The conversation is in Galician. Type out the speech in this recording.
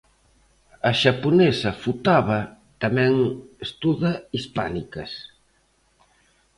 A xaponesa Futaba tamén estuda Hispánicas.